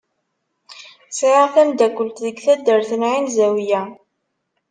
Sɛiɣ tameddakelt deg taddart n Ɛin Zawiya.